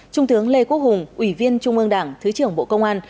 trung tướng lê quốc hùng ủy viên trung ương đảng thứ trưởng bộ công an